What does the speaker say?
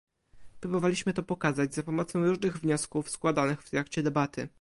Próbowaliśmy to pokazać za pomocą różnych wniosków składanych w trakcie debaty